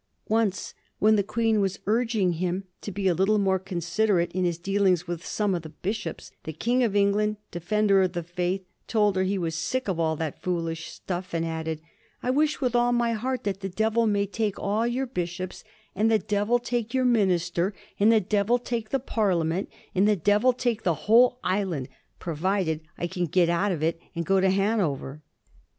Once, when the Queen was urging him to be a little more considerate in his dealings with some of the bishops, the King of Eng land, Defender of the Faith, told her he was sick of all that foolish stuff, and added, " I wish with all my heart that the devil may take all your bishops, and the devil take your minister, and the devil take the Parliament, and the devil take the whole island, provided I can get out of it and go to Hanover."